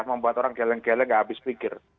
membuat orang geleng geleng gak habis pikir